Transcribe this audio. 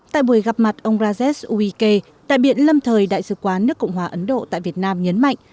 tại buổi gặp mặt ông rajesh uy khe đại biện lâm thời đại sứ quán nước cộng hòa ấn độ tại việt nam nhấn mạnh